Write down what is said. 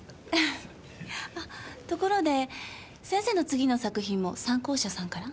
あところで先生の次の作品も讃光社さんから？